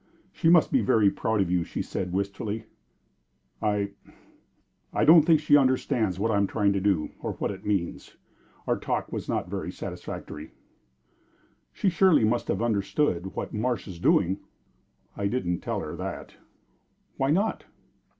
"She must be very proud of you," she said, wistfully. "I I don't think she understands what I am trying to do, or what it means. Our talk was not very satisfactory." "She surely must have understood what Marsh is doing." "I didn't tell her that." "Why not?"